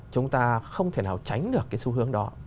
chúng ta không thể nào tránh được cái xu hướng đó